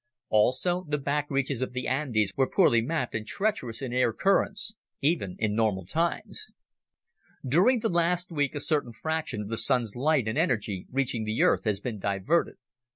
Also, the back reaches of the Andes were poorly mapped and treacherous in air currents, even in normal times. "During the last week, a certain fraction of the Sun's light and energy reaching the Earth has been diverted.